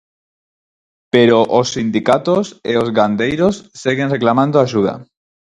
Pero os sindicatos e os gandeiros seguen reclamando axuda.